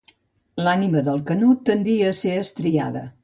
L'ànima del canó tendí a ésser estriada.